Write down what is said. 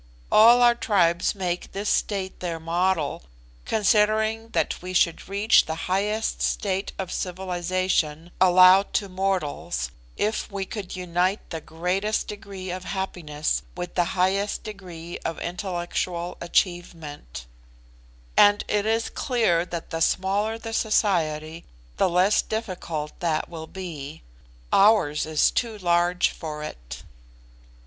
All our tribes make this state their model, considering that we should reach the highest state of civilisation allowed to mortals if we could unite the greatest degree of happiness with the highest degree of intellectual achievement; and it is clear that the smaller the society the less difficult that will be. Ours is too large for it."